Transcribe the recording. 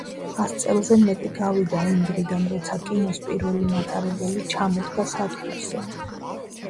ას წელზე მეტი გავიდა იმ დღიდან, როცა კინოს პირველი მატარებელი ჩამოდგა სადგურზე.